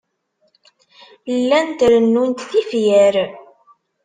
Llant rennunt tifyar.